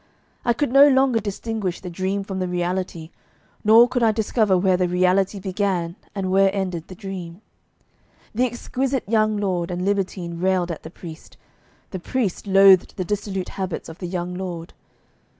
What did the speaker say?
I could no longer distinguish the dream from the reality, nor could I discover where the reality began or where ended the dream. The exquisite young lord and libertine railed at the priest, the priest loathed the dissolute habits of the young lord.